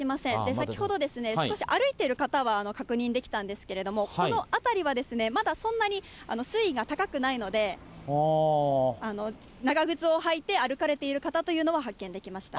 先ほど、少し歩いている方は確認できたんですけれども、この辺りはまだそんなに水位が高くないので、長靴を履いて歩かれている方というのは発見できました。